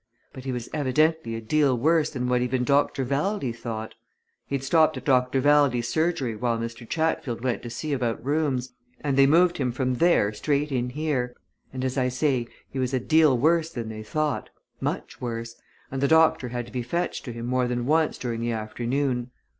But he was evidently a deal worse than what even Dr. Valdey thought. He'd stopped at Dr. Valdey's surgery while Mr. Chatfield went to see about rooms, and they moved him from there straight in here. And as I say, he was a deal worse than they thought, much worse, and the doctor had to be fetched to him more than once during the afternoon.